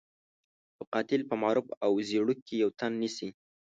يو قاتل په معروف او زيړوک کې يو تن نيسي.